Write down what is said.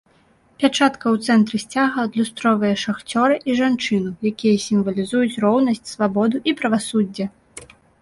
Пячатка у цэнтры сцяга адлюстроўвае шахцёра і жанчыну, якія сімвалізуюць роўнасць, свабоду і правасуддзе.